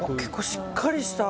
しっかりしてる。